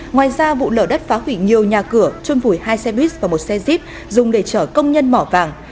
ngoài ra vụ lở đất phá hủy nhiều nhà cửa trôn vùi hai xe buýt và một xe jep dùng để chở công nhân mỏ vàng